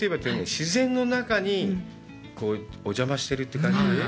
自然の中にお邪魔してるって感じ。